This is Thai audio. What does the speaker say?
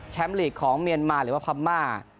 แชมป์ลีกของเมียนมาหรือว่าพรรมา